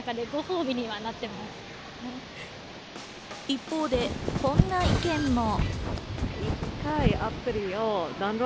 一方で、こんな意見も。